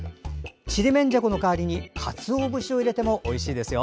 ちりめんじゃこの代わりにかつおぶしを入れてもおいしいですよ。